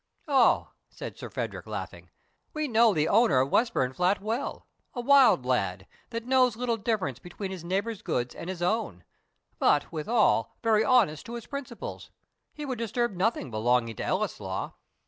"O," said Sir Frederick, laughing, "we know the owner of Westburnflat well a wild lad, that knows little difference between his neighbour's goods and his own; but, withal, very honest to his principles: he would disturb nothing belonging to Ellieslaw."